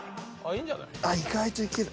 あっ意外といける。